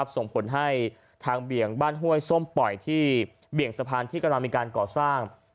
ส่งผลให้ทางเบี่ยงบ้านห้วยส้มปล่อยที่เบี่ยงสะพานที่กำลังมีการก่อสร้าง